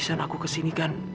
habisan aku kesini kan